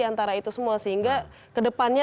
antara itu semua sehingga kedepannya